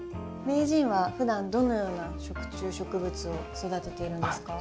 名人はふだんどのような食虫植物を育てているんですか？